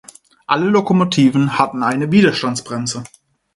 Alle Lokomotiven hatten eine Widerstandsbremse.